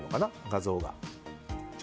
画像が。